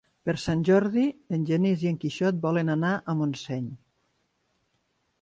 Per Sant Jordi en Genís i en Quixot volen anar a Montseny.